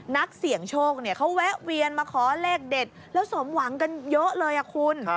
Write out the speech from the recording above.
นักเสี่ยงโชคเขาแวะเวียนมาขอเลขเด็ดแล้วสมหวังกันเยอะเลยคุณ